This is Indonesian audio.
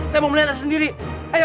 saya mau melihat sendiri ayo